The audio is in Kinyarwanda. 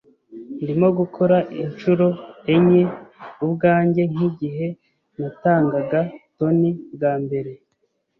Ndimo gukora inshuro enye ubwanjye nkigihe natangaga Tony bwa mbere.